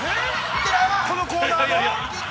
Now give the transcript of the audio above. ◆このコーナーの？